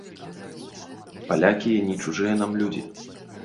Палякі не чужыя нам людзі.